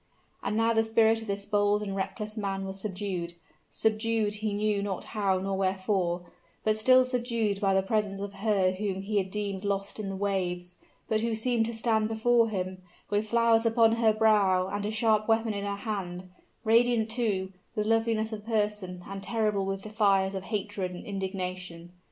And now the spirit of this bold and reckless man was subdued subdued, he knew not how nor wherefore; but still subdued by the presence of her whom he had deemed lost in the waves, but who seemed to stand before him, with flowers upon her brow and a sharp weapon in her hand radiant, too, with loveliness of person, and terrible with the fires of hatred and indignation!